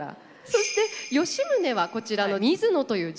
そして吉宗はこちらの水野という人物。